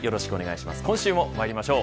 今週もまいりましょう。